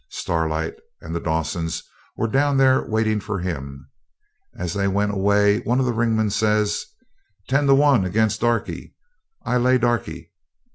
Starlight and the Dawsons were down there waiting for him. As they went away one of the ringmen says, 'Ten to one against Darkie. I lay Darkie.'